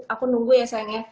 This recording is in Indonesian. aku nunggu ya sayangnya